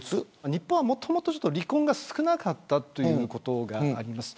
日本はもともと離婚が少なかったということがあります。